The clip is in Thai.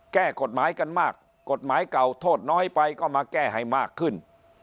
แก้กฎหมายกันมากกฎหมายเก่าโทษน้อยไปก็มาแก้ให้มากขึ้น